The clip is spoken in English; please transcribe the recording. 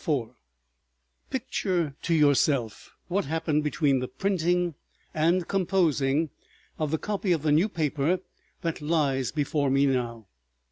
...§ 3 Picture to yourself what happened between the printing and composing of the copy of the New Paper that lies before me now.